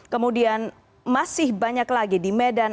kemudian masih banyak lagi di medan